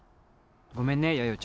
ごめんねやよ